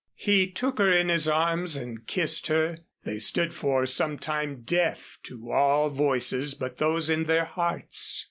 He took her in his arms and kissed her. They stood for some time deaf to all voices but those in their hearts.